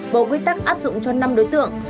bộ quy tắc áp dụng cho năm đối tượng